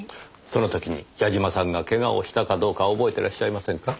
その時に矢嶋さんが怪我をしたかどうか覚えていらっしゃいませんか？